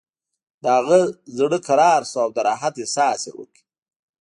د هغه زړه کرار شو او د راحت احساس یې وکړ